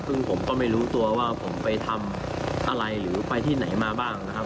ซึ่งผมก็ไม่รู้ตัวว่าผมไปทำอะไรหรือไปที่ไหนมาบ้างนะครับ